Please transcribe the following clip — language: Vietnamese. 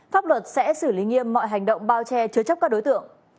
pháp luật sẽ xử lý nghiêm mọi hành động bao che chứa chấp các đối tượng